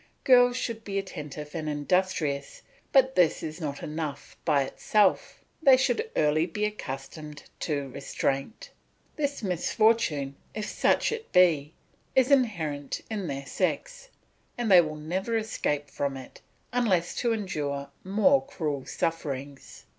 Girls should be attentive and industrious, but this is not enough by itself; they should early be accustomed to restraint. This misfortune, if such it be, is inherent in their sex, and they will never escape from it, unless to endure more cruel sufferings.